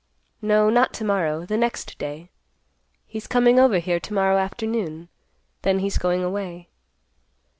"No, not to morrow; the next day. He's coming over here to morrow afternoon. Then he's going away."